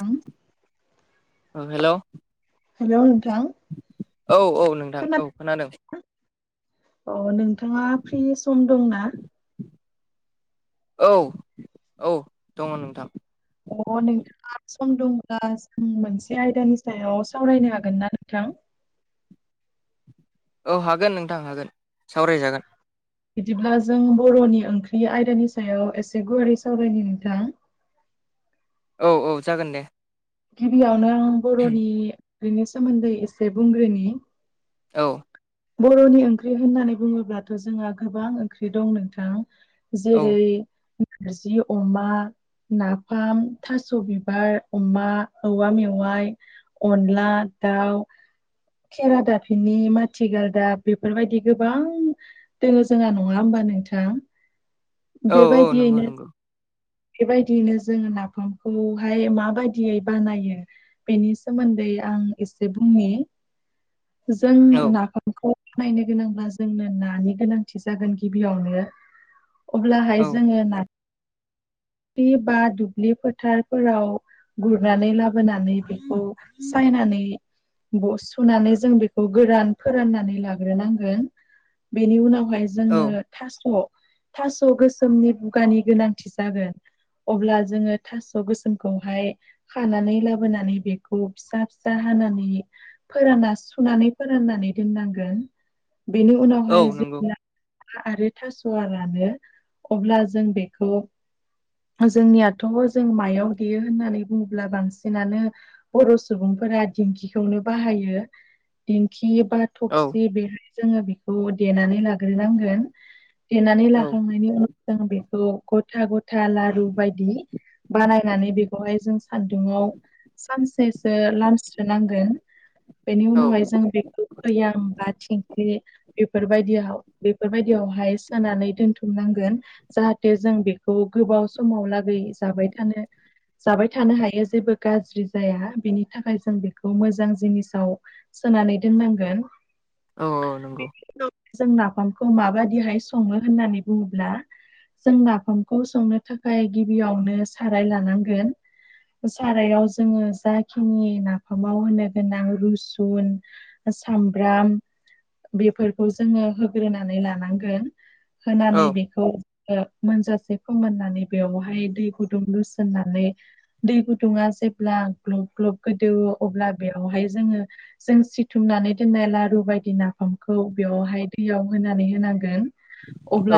थां औ hello hello नोंथां। औ औ नोंथां औ खोनादों। अ नोंथाङा फ्रि सम दंना? औ औ दङ नोंथां। अ न थाब सम दंब्ला जों मोनसे आयदानि सायाव सावरायनो हागोन ना नोंथां। औ हागोन नोंथां हागोन सावरायजागोन। बिदिब्ला जों बर'नि ओंख्रि आयदानि सायाव एसे गुवारै सावरायनो नोंथा औ औ जागोन दे। गिबियावनो आं बर'निनि सोमोन्दै एसे बुंग्रोनि औ। बर'नि ओंख्रि होननानै बुङोब्लाथ' जोंहा गोबां ओंख्रि दं नोंथां। औ जेरै नरजि अमा, नाफाम, थास' बिबार, अमा, औवा मेवाइ, अनला दाउ, खेरा दाफिनि, माने थि गालदाब बेफोरबायदि गोबां दङ जोंहा नङा होमबा नोंथां। औ औ नंगौ बेबायदियैनो नंगौ बेबायदियैनो जोङो नाफामखौहाय माबायदियै बानायो बेनि सोमोन्दै आं एसे बुंनि। जों औ ना [unintelligible] खौ नायनो गोनांब्ला जोंनो नानि गोनांथि जागोन गिबियावनो। अब्लाहाय औ जोङो ना लि बा दुब्लि फोथारफोराव गुरनानै लाबोनानै बेखौ सायनानै सुनानै जों बेखौ गोरान फोराननानै लाग्रोनांगोन। बेनि उनावहाय औ जोंङनो थास' थास' गोसोमनि बुगानि गोनांथि जागोन। अब्ला जोङो थास' गोसोमखौहाय खानानै लाबोनानै बेखौ फिसा फिसा हानानै फोरानना सुनानै फोराननानै दोननांगोन, बेनि औ उनावहाय नंगौ जों हा आरो थास'वा रानो अब्ला जों बेखौ जोंनियाथ' जों मायाव देयो होननानै बुङोब्ला? बांसिनानो बर' सुबुंफोरा दिंखिखौनो बाहायो दिंखि बा औ थफसि बेहाय जोङो बेखौ देनानै लाग्रोनांगोन। देनानै औ लाखांनायनि उनाव जों बेखौ गथा गथा आथा लारु बायदि बानायनानै बेखौहाय जों सान्दुङाव सानसेसो लामस्रो नांगोन बेनि औ उनावहाय जों बेखौ भैयाय बा थिंल्खी बेफोरबायदियाव बेफोरबायदियावहाय सोनानै दोन्थुमनांगोन जाहाथे जों बे खौ गोबाव समाव लागै जाबाय थानो जाबाय थानो हायो जेबो गाज्रि जाया बेनि थाखाय जों बेखौ मोजां जिनिसाव सोनानै दोननांगोन। औ नंगौ जों नाफामखौ माबाददिहाय सङो होननानै बुङोब्ला? जों नाफाम खौ संनो थाखाय गिबियावनो साराय लानांगोन। मु सारायाव जोङो जाखिनि नाफामाव होनो गोनां रुसुन सामब्राम बेफोरखौ जोङो होग्रोनानै लानांगोन। औ होनानै बेखौ मोनजासे फोमोननानै बेवहाय दै गुदुं लुसोननानै दै गुदुङा जेब्ला ग्लब ग्लब गोदौ अब्ला बेयावहाय जोङो जों सिथुमनानै दोननाय लारु बायदि नाफामखौ बेयावहाय दैयाव होनानै होनांगोन।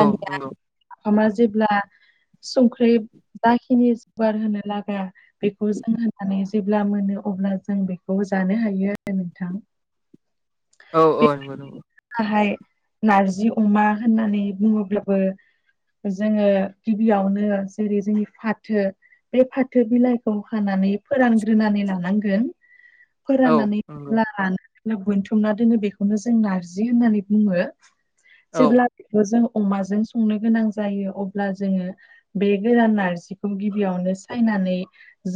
औ नंगौ आफामा जेब्ला संख्रि जाखिनि जुगार होनो लागा बेखौ जों होननानै जेब्ला मोनो अब्ला जों बेखौ जानो हायो आरो नोंथां। औ बे औ नंगौ नंगौ। गाहाय नारजि अमा होननानै बुङोब्लाबो जोङो गिबियावनो जेरै जोंनि फाथो बे फाथो बिलाइखौ हानानै फोरानग्रोनानै लानांगोन। औ फोराननानै नंगौ लानानै दोन बोनथुमना दोनो बेखौनो जों नारजि होननानै बुङो। औ जेब्ला बेखौ जों अमाजों संनो गोनां जायो अब्ला जोङो बे गोदान नारजिखौ गिबियावनो सायनानै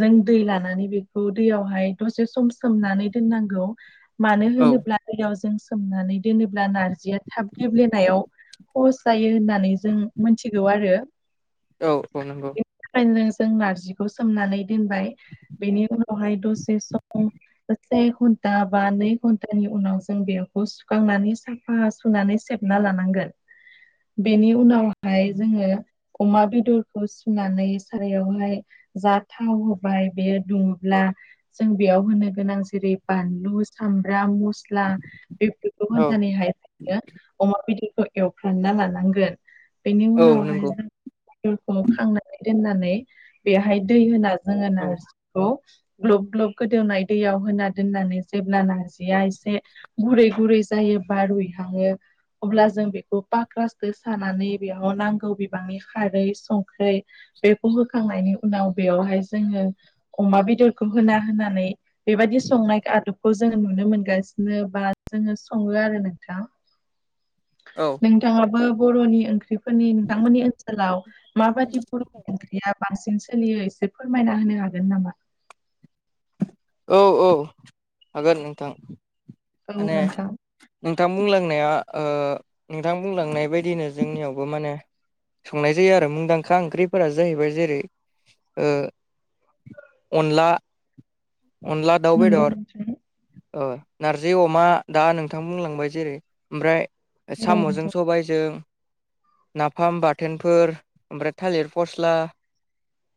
जों दै लानानै बेखौ दैयावहाय दसे सम सोमनानै दोननांगौ। मानो औ होनोब्ला दैयाव जों सोमनानै दोनोब्ला नारजिया थाब गेब्लेनायाव पस जायो होननानै जों मोनथिगौ आरो। औ औ नंगौ। ओंखायनो जों नारजिखौ सोमनानै दोनबाय बेनि उनावहाय दसे सम से घन्टा बा नै घन्टानि उनाव जों बेखौ सुखांनानै साफा सुनानै सेबना लानांगोन, बेनि उनावहाय जोङो अमा बेदरखौ सुनानै सारायावहाय जा थाव होबाय बेयो दुङोब्ला जों बेयाव होनो गोनां जेरै बानलु सामब्राम मुसु मस्ला बेफोरखौ औ होननानै हाय अमा बेदरखौ एवफ्रानना लानांगोन बेनि औ उनावहाय नंगौ जों बेखौ खांनानै दोननानै बेहाय दै होना जोङो औ नारजि ग्लब ग्लब गोदौनाय दैयाव होना दोननानै जेब्ला नारजिया एसे गुरै गुरै जायो बारुइहाङो। अब्ला जों बेखौ पक्रासजों सानानै बेयाव नांगौ बिबांनि खारै संख्रि बेखौ होखांनायनि उनाव बेवहाय जोङो अमा बेदरखौ होना होनानै बेबायदि संनाय आदबखौ जोङो नुनो मोनगासिनो बा जोङो सङो आरो नोंथां। [unintelligible] औ। नोंथाङाबो बर'नि ओंख्रिफोरनि नोंथांमोननि ओनसोलाव माबायदि बर'नि ओं ख्रिया बांसिन सोलियो एसे फोरमायना होनो हागोन नामा? औ औ हागोन नोंथां औ माने नोंथां नोंथां बुंलांनाया नोंथां बुंलांनाय बायदिनो जोंनियावबो माने संनाय जायो आरो मुंदांखा ओंख्रिफोरा जाहैबाय जेरै अनला अनला दाउ नंगौ बेदर नोंथां नार जि अमा दा नोंथां बुंलांबाय जेरै ओमफ्राय औ साम'जों नोंथां सबायजों नाफाम बाथोनफोर ओमफ्राय थालिर फस्ला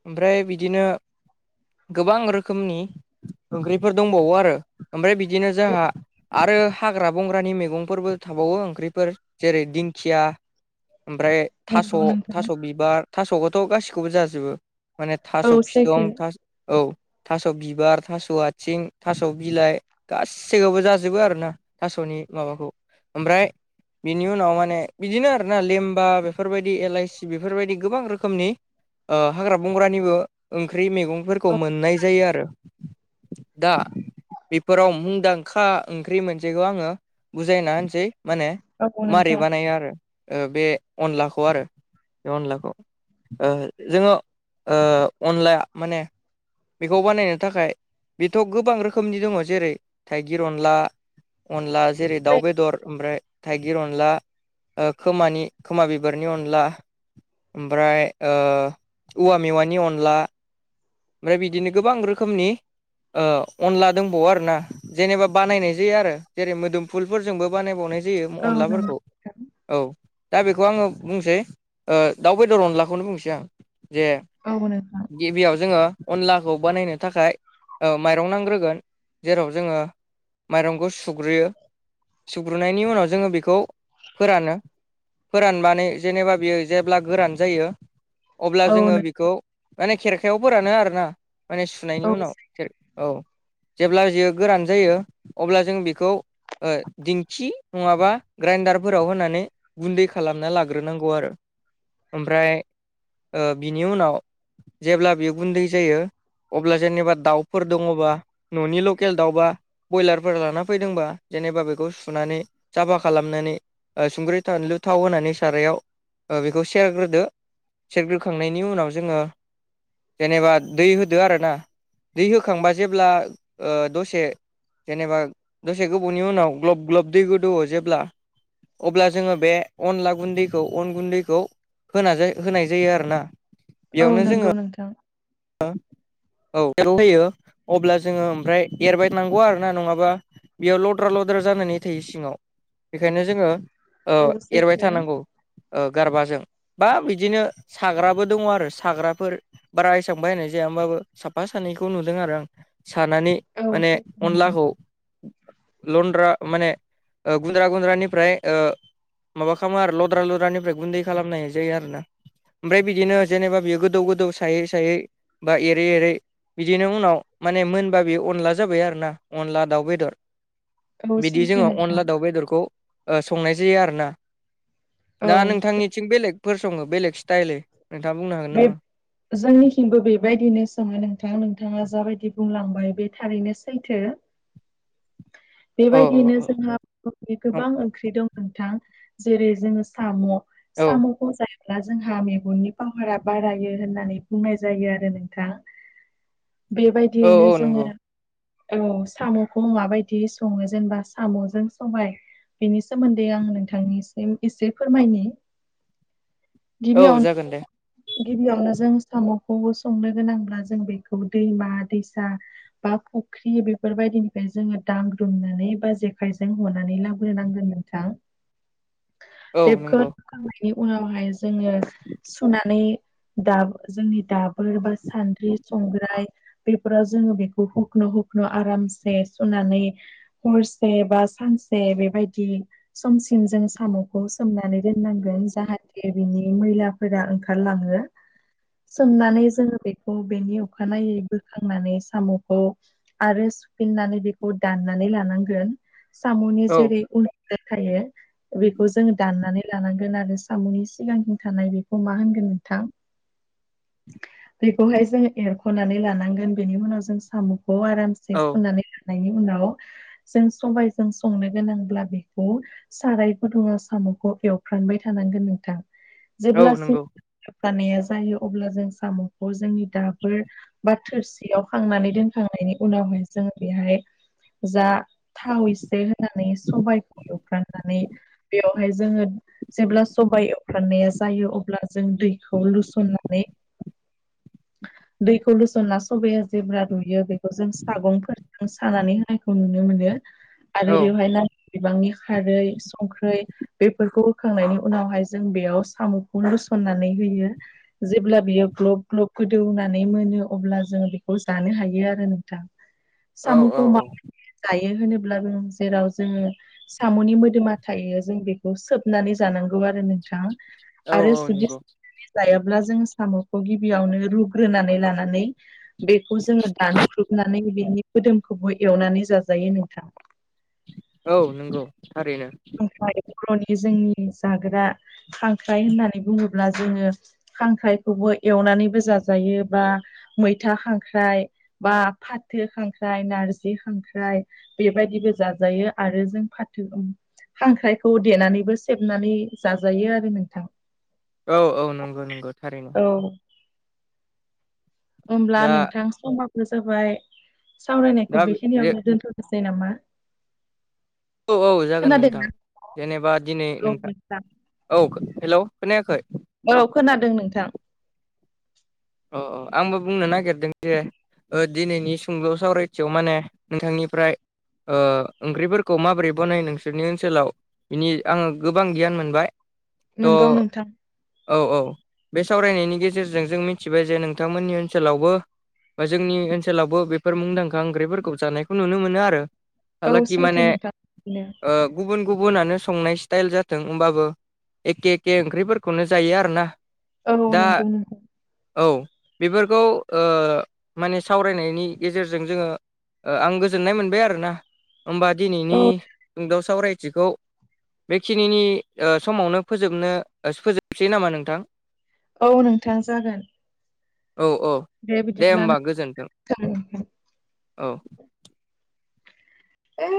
ओमफ्राय बिदिनो गोबां रोखोमनि ओंख्रिफोर दंबावो आरो ओमफ्राय बिदिनो जोंहा आरो हाग्रा बंग्रानि मैगंफोरबो थाबावो ओंख्रिफोर जेरै दिंखिया ओमफ्राय थास' नंगौ नोंथां थास' बिबार थास'खौथ' गासैखौबो जाजोबो माने थास' औ सैथो फिदं थास औ। थास' बिबार थास' आथिं थास' बिलाइ गासै सैखौबो जाजोबो आरोना थास'नि माबाखौ ओमफ्राय बिनि उनाव माने बिदिनो आरो ना लेमबा बेफोरबायदि एलाइसि बेफोरबायदि गोबां रोखोमनि हाग्रा बंग्रानिबो ओंख्रि मैगं फोरखौ मोननाय जायो आरो दा बेफोराव मुंदांखा खा ओंख्रि मोनसेखौ आङो बुजायना होनोसै माने औ औ मारै नोंथां बानायो आरो बे अनलाखौ आरो बे अनलाखौ। जोङो अनलाया माने बेखौ बानायनो थाखाय बेथ' गोबां रोखोमनि दङ जेरै थाइगिर अनला अनला जेरै दाउ बेदर ओमफ्राय थाइगिर अनला खोमानि खोमा बिबारनि अनला ओमफ्राय औवा मेवानि अनला ओमफ्राय बिदिनो गोबां रोखोमनि अनला दंबावो आरोना। जेनेबा बानायनाय जायो आरो जेरै मोदोमफुलफोरजोंबो बानायबावनाय जायो औ नंगौ अनलाफोरखौ नोंथां औ दा बेखौ आङो बुंनोसै दाउ बेदर अनलाखौनो बुंनोसै आं। जे औ नोंथां गिबियाव जोङो अनलाखौ बानायनो थाखाय माइरं नांग्रोगोन जेराव जोङो माइरंखौ सुग्रोयो सुग्रोनायनि उनाव जोङो बेखौ फोरानो फोराननानै जेनेबा बियो जेब्ला गोरान जायो। अब्ला जोङो औ बेखौ माने खेरखायाव फोरानो आरोना माने सुनायनि औ उनाव। औ जेब्ला बियो गोरान जायो अब्ला जों बेखौ दिंखि नङाबा ग्राइन्डारफोराव होनानै गुन्दै खालामना लाग्रोनांगौ आरो ओमफ्राय बिनि उनाव जेब्ला बे गुन्दै जायो अब्ला जेनेबा दाउफोर दङबा न'नि लकेल दाउबा बयलारफोर लाना फैदोंबा जेनेबा बेखौ सुनानै साफा खालामनानै संख्रै बानलु थाव होनानै सारायाव बेखौ सेरग्रोदो। सेरग्रोखांनायनि उनाव जोङो जेनेबा दै होदो आरो ना दै होखांबा जेब्ला ओ दसे जेनेबा दसे गोबावनि उनाव ग्लब ग्लब दै गोदोवौ जेब्ला अब्ला जोङो बे अनला गुन्दैखौ अन गुन्दैखौ होना होनाय जायो आरो ना। औ नंगौ नोंथां। औ [inaudible] होयो अब्ला जोङो ओमफ्राय एरबाय नांगौ आरो ना नङाबा बेयाव लद्रा लद्रा जानानै थायो सिङाव बेखायनो जोङो औ एरबाय थानांगौ। ओ गारबाजों बा बिदिनो साग्राबो दङ आरो साग्राफोर ब्राइस बेसेबां बायनाय जाया होनबाबो साफा सानैखौ नुदों आरो आं। सानानै औ माने सैथो नोंथां अनलाखौ लनद्रा माने ओ गुन्द्रा गुन्द्रानिफ्राय ओ माबा खालामो आरो लद्रा लद्रानिफ्राय गुन्दै खालामनाय जायो आरो ना। ओमफ्राय बिदिनो जेनेबा बियो गोदौ गोदौ सायै सायै बा एरै एरै बिदिनो उनाव माने मोनबा बे अनला जाबाय आरोना अनला दाउ बेदर। औ बिदि सैथो जोङो नोंथां अनला दाउ बेदरखौ ओ संनाय जायो आरोना दा औ नोंथांनि थिं बेलेगफोर सङो बेलेग स्टाइलै नोंथाङा बुंनो हागोन बे नामा? जोंनिथिंबो बेबायदिनो सोङो नोंथां नोंथाङा जाबायदि बुंलांबाय बे थारैनो सैथो। [inaudible] औ बेबायदियैनो जोंहा बर'नि औ गोबां ओंख्रि दं नोंथां जेरै जोङो साम'। औ साम'खौ जायोब्ला जोंहा मेगननि फावोरा बारायो होननानै बुंनाय जायो आरो नोंथां। औ बेबायदियैनो औ नंगौ जोङो औ साम'खौ माबायदि सङो जेनेबा साम'जों सबाय बेनि सोमोन्दै आं नोंथांनिसिम एसे फोरमायनि। औ गिबियाव जागोन दे। गिबियावनो जों साम'खौबो संनो गोनांब्ला जों बेखौ दैमा दैसा बा फुख्रि बेफोरबायदिनिफ्राय जोङो दांग्रोमनानै बा जेखायजों हनानै लाबोनांगोन। थां औ बेखौ नंगौ [unintelligible] खांनायनि उनावहाय जोङो सुनानै दाब जोंनि दाबोर बा सान्द्रि संग्राय बेफोराव जोङो बेखौ हुखनु हुखनु आरामसे सुनानै हरसे बा सानसे बेबायदि समसिम जों साम'खौ सोमनानै दोननांगोन जाहाथे बिनि मैला फोरा ओंखारलाङो। सोमनानै जोङो बेखौ बेनि अखानायै बोखांनानै साम'खौ आरो सुफिननानै बेखौ दाननानै लानांगोन साम'नि औ जेरै उन थायो बेखौ जोङो दाननानै लानांगोन आरो साम'नि सिगांनि थानाय बेखौ। खौ मा होनगोन नोंथां? बेखौहाय जों एरख'नानै लानांगोन बेनि उनाव जों साम'खौ आराम औ सुनानै लानायनि उनाव जों सबायजों संनो गोनांब्ला बेखौ साराय गुदुंआव साम'खौ एवफ्रानबाय थानांगोन नोंथां औ जेब्ला नंगौ एवफ्रामनाया जायो अब्ला जों साम'खौ जोंनि दाबोर बा थोरसियाव खांनानै दोनखांनायनि उनावहाय जों बेहाय जा थाव इसे होनानै सबायखौ एवफ्राननानै बेयावहाय जोङो जेब्ला सबायाइ एवफ्राननाया जायो अ जों दैखौ लुसननानै दैखौ लुसनना सबाया जेब्ला रुयो बेखौ जों सागंफोर जों सानानै होनायखौ नुनो मोनो औ आरो बेवहाय ना बिबांनि खारै संख्रै बेफोरखौ होखांनायनि उनावहाय जों बेयाव साम'खौ लुसननानै होयो। जेब्ला बियो ग्लप ग्लप गोदौनानै मोनो अब्ला जोङो बेखौ जानो हायो आरो नोंथां औ औ साम'खौ मा जायो होनोब्लाबो जेराव जोङो साम'नि मोदोमा थायो जों बेखौ सोबनानै जानांगौ आरो नोंथां। औ आरो औ जुदि नंगौ सोबनानै जायाब्ला जों साम'खौ गिबियावनो रुग्रोनानै लानानै बेखौ जोङो दानख्रुबनानै बिनि मोदोमखौबो एवनानै जाजायो नोंथां। औ नंगौ थारैनो‌। ओमफ्राय बर'नि जोंनि जाग्रा खांख्राय होननानै बुङोब्ला जोङो खांख्राइखौबो एवनानैबो जाजायो बा मैथा खांख्राइ बा फाथो खांख्राइ नारजि खांख्राइ बेबायदिबो जाजायो आरो जों फाथो उम खांख्रायखौ देनानैबो सेबनानै जाजायो आरो नोंथां। औ औ नंगौ नंगौ थारैनो। औ होब्ला दा नोंथां समाबो जाबाय दा सावरायनायखौ बे बेखिनियावनो दोनथ'नोसै नामा? औ औ जागोन नोंथां खोनादोंना जेनेबा दिनै नोंथां औ हेलौ खोनायाखै? औ खोनादों नोंथां। अ अ आंबो बुंनो नागिरदों जे ओ दिनैनि सुंद' सावरायथियाव माने नोंथांनिफ्राय ओ ओंख्रिफोरखौ माबोरै बनायो नोंसोरनि ओनसोलाव बिनि आङो गोबां गियान मोनबाय। थ' नंगौ नोंथां औ औ बे सावरायनायनि गेजेरजों जों मिथि मिथिबाय जे नोंथांमोननि ओनसोलावबो [unintelligible] जोंनि ओनसोलावबो बेफोर मुंदांखा ओंख्रिफोरखौ जानायखौ नुनो मोनो आरो औ हालाकि सैथो माने नोंथां बिदिनो ओ गुबुन गुबुनानो संनाय स्टाइल जाथों होनोमबाबो एखे एखे ओंख्रिफोरखौनो जायो आरो ना। औ नंगौ नों औ बेफोरखौ ओ माने सावरायनायनि गेजेरजों जोङो आं गोजोननाय मोनबाय आरोना होमबा दिनैनि औ जोंदाव सावरायथिखौ बेखिनिनि समावनो फोजोबनो फोजोबसै नामा नोंथां? औ नोंथां जागोन। औ औ दे होमबा गोजोन्थों नोंथां औ ए